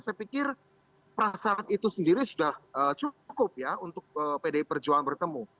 saya pikir prasarat itu sendiri sudah cukup ya untuk pdi perjuangan bertemu